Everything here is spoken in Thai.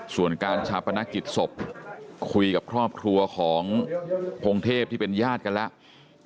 ส่วนการชาปนกิจศพคุยกับครอบครัวของพงเทพที่เป็นญาติกันแล้ว